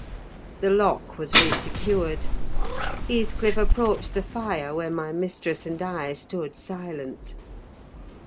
The lock was re secured. Heathcliff approached the fire, where my mistress and I stood silent.